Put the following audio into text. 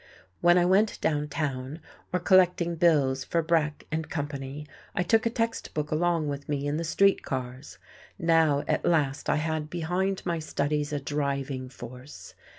When I went down town, or collecting bills for Breck and Company, I took a text book along with me in the street cars. Now at last I had behind my studies a driving force.